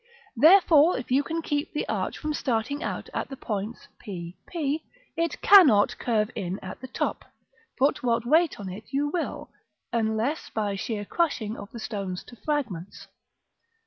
Therefore, if you can keep the arch from starting out at the points p, p, it cannot curve in at the top, put what weight on it you will, unless by sheer crushing of the stones to fragments.